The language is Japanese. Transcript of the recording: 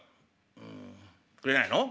「うんくれないの？